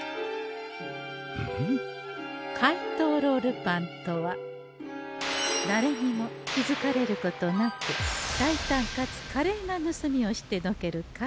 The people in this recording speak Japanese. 「怪盗ロールパン」とは誰にも気づかれることなく大胆かつ華麗な盗みをしてのける怪盗ルパン。